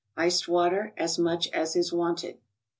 Iced water, as much as is wanted.